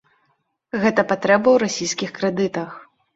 Гэта патрэба ў расійскіх крэдытах.